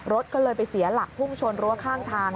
รถก็เลยไปเสียหลักพุ่งชนรั้วข้างทาง